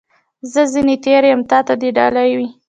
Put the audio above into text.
زه ځني تېر یم ، تا ته دي ډالۍ وي .